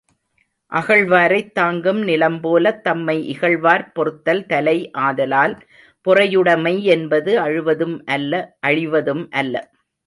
அகழ்வாரைத் தாங்கும் நிலம்போலத் தம்மை இகழ்வார்ப் பொறுத்தல் தலை ஆதலால், பொறையுடைமை என்பது அழுவதும் அல்ல அழிவதும் அல்ல.